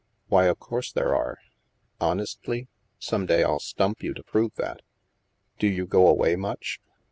" Why, of course there are." "Honestly? Some day I'll stump you to prove that. Do you go away much